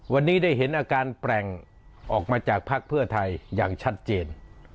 วันนี้ได้เห็นอาการแปลงออกมาจากภักดิ์เพื่อไทยอย่างชัดเจน